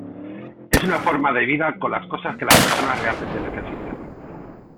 Es una forma de vida con las cosas que las personas realmente necesitan.